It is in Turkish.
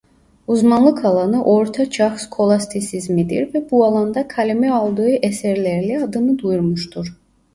Uzmanlık alanı Orta Çağ skolastisizmidir ve bu alanda kaleme aldığı eserlerle adını duyurmuştur.